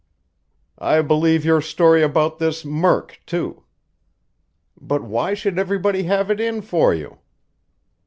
I believe your story about this Murk, too. But why should everybody have it in for you?"